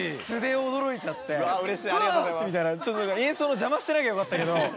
演奏の邪魔してなきゃよかったけど。